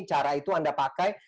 cara itu anda pakai